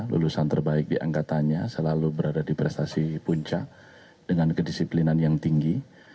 lulusan terbaik di angkatannya selalu berada di prestasi puncak dengan kedisiplinan yang tinggi